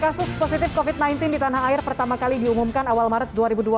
kasus positif covid sembilan belas di tanah air pertama kali diumumkan awal maret dua ribu dua puluh